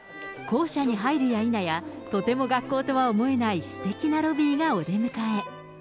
校舎に入るやいなや、とても学校とは思えないすてきなロビーがお出迎え。